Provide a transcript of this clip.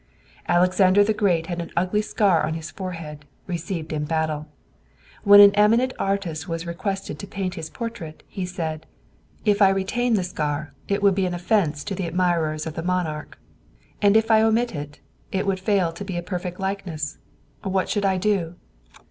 Alexander the Great had an ugly scar on his forehead, received in battle. When an eminent artist was requested to paint his portrait, he said: "If I retain the scar it will be an offence to the admirers of the monarch, and if I omit it, it will fail to be a perfect likeness. What shall I do?"